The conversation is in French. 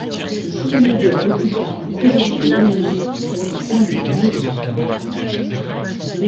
Le chevalier d'or repliqua en projetant Laimi contre un des piliers de son temple.